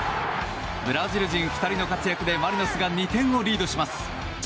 ブラジル人２人の活躍でマリノスが２点をリードします。